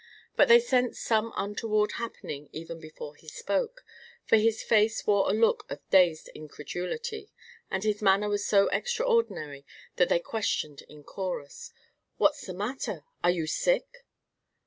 But they sensed some untoward happening even before he spoke; for his face wore a look of dazed incredulity, and his manner was so extraordinary that they questioned in chorus: "What's the matter? Are you sick?"